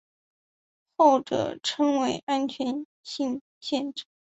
后者称为安全性限制。